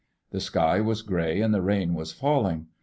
The sky was gray and the rain was falling.